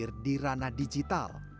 hadir di ranah digital